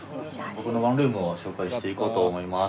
僕のワンルームを紹介していこうと思います。